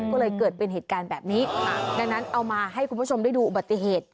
ก็เลยเกิดเป็นเหตุการณ์แบบนี้ดังนั้นเอามาให้คุณผู้ชมได้ดูอุบัติเหตุ